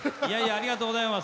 ありがとうございます。